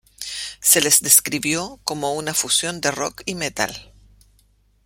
Se les describió como una fusión de rock y metal.